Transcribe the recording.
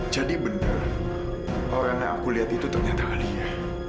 benar orang yang aku lihat itu ternyata alia